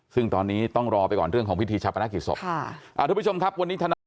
ซึ่งตอนนี้ต้องรอไปก่อนเรื่องของพิธีชาปนกิจศพค่ะอ่าทุกผู้ชมครับวันนี้ทนาย